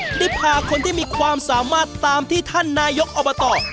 ได้พาคนที่มีความสามารถตามที่ท่านนายกอบต